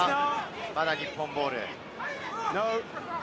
まだ日本ボール。